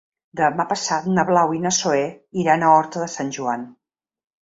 Demà passat na Blau i na Zoè iran a Horta de Sant Joan.